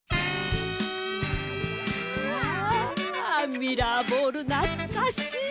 ミラーボールなつかしい。